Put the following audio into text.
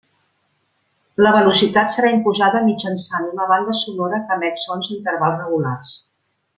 La velocitat serà imposada mitjançant una banda sonora que emet sons a intervals regulars.